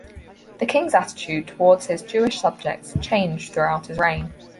The King's attitude towards his Jewish subjects changed throughout his reign.